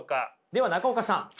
では中岡さん